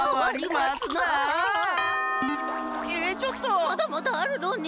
まだまだあるのに。